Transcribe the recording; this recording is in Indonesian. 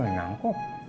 ini beli ngangkuh